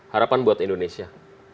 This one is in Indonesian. harapan buat indonesia